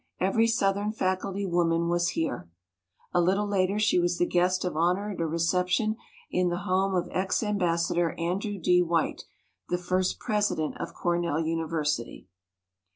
every Southern faculty woman was here." A little later she was the guest of honor at a reception in the home of Ex Ambassador Andrew D. White, the first president of Cornell University.